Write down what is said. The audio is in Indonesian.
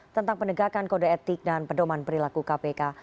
tentang penegakan kode etik dan pedoman perilaku kpk